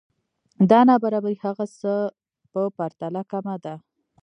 دا نابرابری هغه څه په پرتله کمه ده